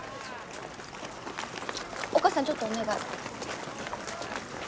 おっ母さんちょっとお願い。